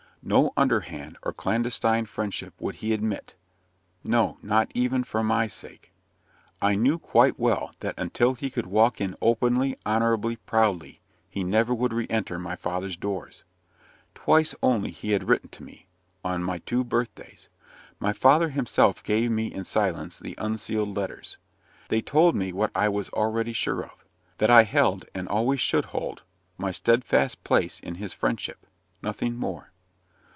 No under hand or clandestine friendship would he admit no, not even for my sake. I knew quite well, that until he could walk in openly, honourably, proudly, he never would re enter my father's doors. Twice only he had written to me on my two birthdays my father himself giving me in silence the unsealed letters. They told me what I already was sure of that I held, and always should hold, my steadfast place in his friendship. Nothing more.